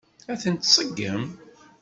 Ad tent-tseggem?